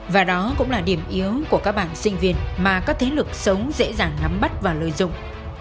và đó cũng là điểm yếu của các bạn sinh viên mà các thế lực sống dễ dàng nắm bắt và lợi dụng